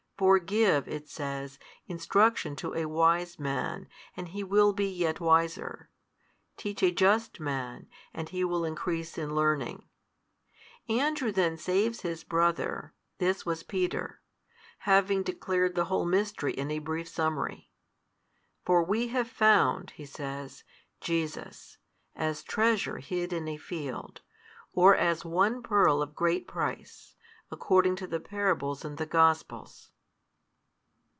For give, it says, instruction to a wise man, and he will be yet wiser: teach a just man, and he will increase in learning. Andrew then saves his brother (this was Peter), having declared the whole mystery in a brief summary. For we have found, he says, Jesus, as Treasure hid in a field, or as One Pearl of great price, according to the parables in the Gospels.